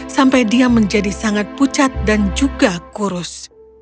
sampai dia menjadi sangat pucat dan juga kurus